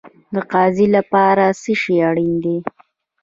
د قاضي لپاره څه شی اړین دی؟